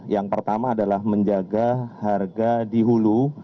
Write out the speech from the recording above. yang pertama adalah menjaga harga dihuling